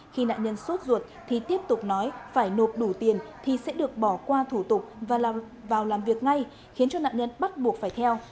khi nạn nhân suốt ruột thì tiếp tục nói phải nộp đủ tiền thì sẽ được bỏ qua thủ tục và vào làm việc ngay khiến cho nạn nhân bắt buộc phải theo